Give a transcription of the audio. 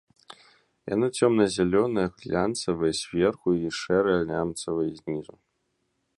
Яно цёмна-зялёнае, глянцавае зверху і шэрае лямцавае знізу.